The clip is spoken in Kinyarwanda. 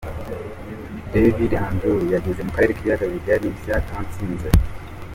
Divide and Rule’ yageze mu Karere k’Ibiyaga bigari isya itanzitse.